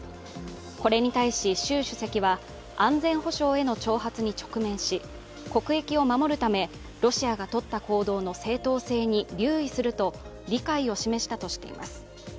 これに対し習主席は、安全保障への挑発に直面し、国益を守るため、ロシアがとった行動の正当性に留意すると理解を示したとしています。